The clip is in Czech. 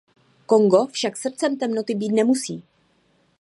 Kongo však srdcem temnoty být nemusí.